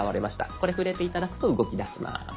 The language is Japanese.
これ触れて頂くと動きだします。